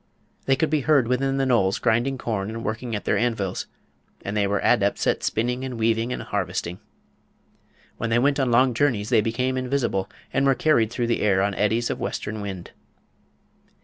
They could be heard within the knolls grinding corn and working at their anvils, and they were adepts at spinning and weaving and harvesting. When they went on long journeys they became invisible, and were carried through the air on eddies of western wind.